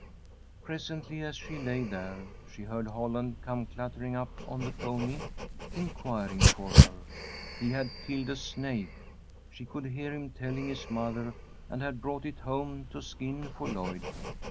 Presently, as she lay there, she heard Holland come clattering up on the pony, inquiring for her. He had killed a snake, she could hear him telling his mother, and had brought it home to skin for Lloyd.